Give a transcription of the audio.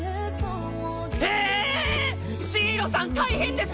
ええ⁉ジイロさん大変です！